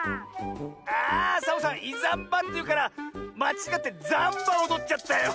あサボさん「いざんば」っていうからまちがってザンバおどっちゃったよ。